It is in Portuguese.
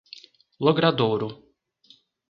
Logradouro